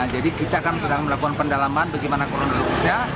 jadi kita akan sedang melakukan pendalaman bagaimana koronavirusnya